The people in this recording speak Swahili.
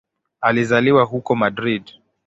Alizaliwa huko Madrid.